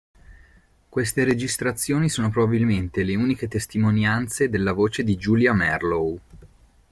Queste registrazioni sono probabilmente le uniche testimonianze della voce di Julia Marlowe.